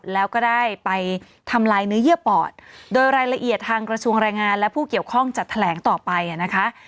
แล้วก็ได้ไปทำลายเนื้อเยื่อปอดโดยรายละเอียดทางกระทรวงแรงงานและผู้เกี่ยวข้องจะแถลงต่อไปนะคะ